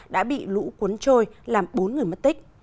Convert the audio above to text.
đã bị lũ cuốn trôi làm bốn người mất tích